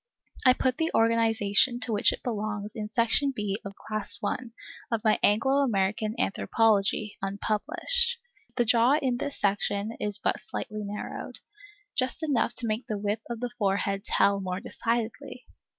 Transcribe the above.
I put the organization to which it belongs in Section B of Class 1 of my Anglo American Anthropology (unpublished). The jaw in this section is but slightly narrowed, just enough to make the width of the forehead tell more decidedly.